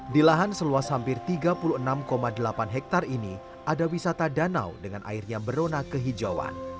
di lahan seluas hampir tiga puluh enam delapan hektare ini ada wisata danau dengan air yang berona kehijauan